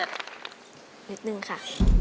นิดนึงค่ะ